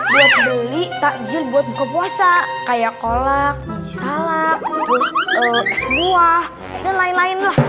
dia beli takjil buat buka puasa kayak kolak biji salak buah dan lain lain lah